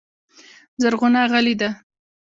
زرغونه غلې ده .